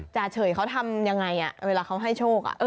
เฉยเขาทำยังไงเวลาเขาให้โชค